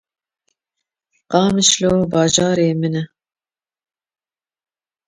Qasimlo bajarê min e